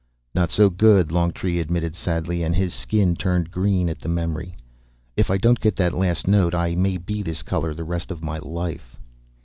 "Not so good," Longtree admitted sadly, and his skin turned green at the memory. "If I don't get that last note, I may be this color the rest of my life."